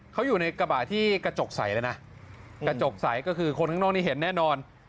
เขาอยู่ในกระบะที่กระจกใสแล้วนะกระจกใสก็คือคนข้างนอกนี้เห็นแน่นอน